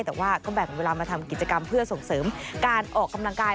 แต่ว่าก็แบ่งเวลามาทำกิจกรรมเพื่อส่งเสริมการออกกำลังกาย